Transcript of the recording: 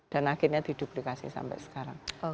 dan akhirnya diduplikasi sampai sekarang